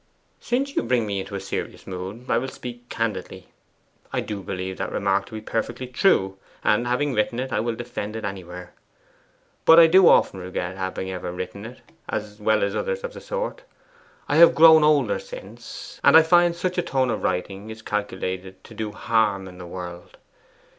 'Since you bring me into a serious mood, I will speak candidly. I do believe that remark to be perfectly true, and, having written it, I would defend it anywhere. But I do often regret having ever written it, as well as others of the sort. I have grown older since, and I find such a tone of writing is calculated to do harm in the world.